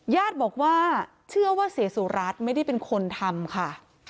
ญาติบอกว่าเชื่อว่าเสียสุรัตน์ไม่ได้เป็นคนทำค่ะ